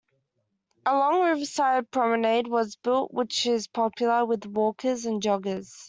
A long riverside promenade was built which is popular with walkers and joggers.